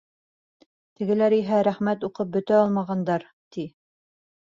Тегеләр иһә рәхмәт уҡып бөтә алмағандар, ти.